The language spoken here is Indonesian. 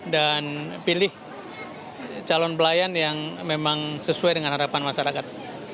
dan pilih calon pelayan yang memang sesuai dengan harapan masyarakat